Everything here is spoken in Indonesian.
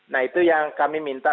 nah itu yang kami minta